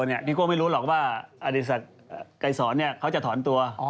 นิโก้ไม่รู้หรอกว่าอดีศักดิ์ไกรสอนเขาจะถอนตัว